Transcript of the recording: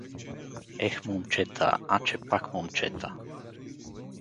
— Ех, момчета, а че пак момчета!